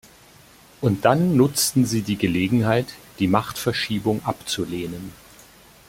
Und dann nutzen sie die Gelegenheit, die Machtverschiebung abzulehnen.